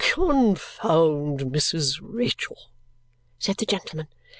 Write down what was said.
"Confound Mrs. Rachael!" said the gentleman.